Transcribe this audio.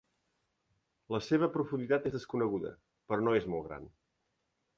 La seua profunditat és desconeguda, però no és molt gran.